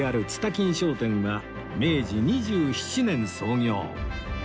金商店は明治２７年創業